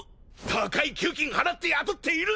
高い給金払って雇っているんだ！